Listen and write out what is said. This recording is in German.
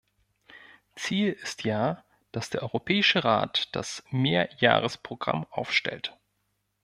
Ziel ist ja, dass der Europäische Rat das Mehrjahresprogramm aufstellt.